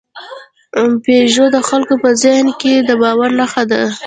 پيژو د خلکو په ذهن کې د باور نښه ده.